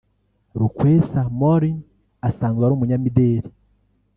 Lukwesa Morin asanzwe ari umunyamideli